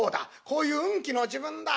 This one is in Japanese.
こういううんきの時分だ。